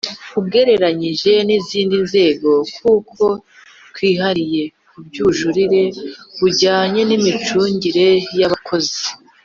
Ugereranyije n izindi nzego kuko twihariye by ubujurire bujyanye n imicungire y abakozi